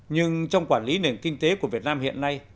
nhưng trong quản lý nền kinh tế của việt nam hiện nay